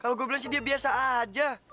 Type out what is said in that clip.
kalau gue bilang sih dia biasa aja